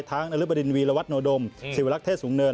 นรบดินวีรวัตโนดมศิวลักษ์เทศสูงเนิน